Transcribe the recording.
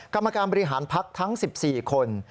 กรรมการบริหารพักทั้ง๑๔คน